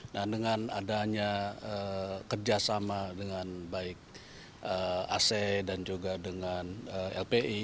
nah dengan adanya kerjasama dengan baik ac dan juga dengan lpi